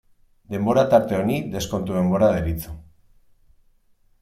Denbora tarte honi deskontu-denbora deritzo.